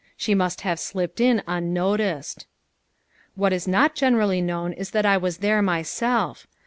She must have slipped in unnoticed. What is not generally known is that I was there myself.